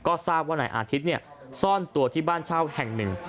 ก็ทราบว่านายอาทิตย์ซ่อนตัวที่บ้านเช่าแห่งหนึ่ง